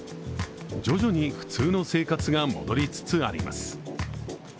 徐々に普通の生活が戻りつつあります。